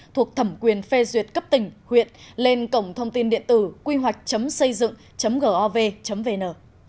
thuộc thẩm quyền phê duyệt cấp tỉnh huyện lên cổng thông tin điện tử quy hoạch xâydựng gov vn